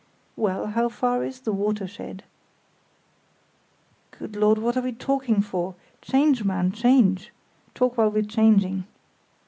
"Well, how far is the 'watershed'?" "Good Lord! What are we talking for? Change, man, change! Talk while we're changing."